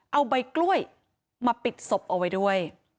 เอาใบกล้วยมาปิดศพเอาไว้ด้วย